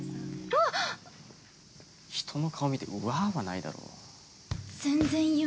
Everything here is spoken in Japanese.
人の顔見て、うわぁ！はないだろう。